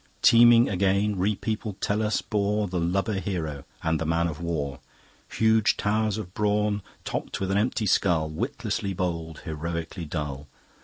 Teeming again, repeopled Tellus bore The lubber Hero and the Man of War; Huge towers of Brawn, topp'd with an empty Skull, Witlessly bold, heroically dull.